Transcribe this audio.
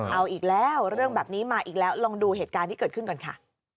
เอาอีกแล้วเรื่องแบบนี้มาอีกแล้วลองดูเหตุการณ์ที่เกิดขึ้นก่อนค่ะ